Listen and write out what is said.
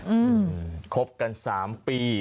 อืมครบกัน๓ปี